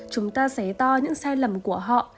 chúng ta xé to những sai lầm của họ